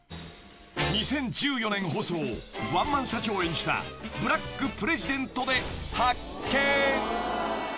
［２０１４年放送ワンマン社長を演じた『ブラック・プレジデント』で発見］